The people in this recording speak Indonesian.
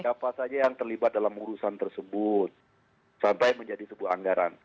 siapa saja yang terlibat dalam urusan tersebut sampai menjadi sebuah anggaran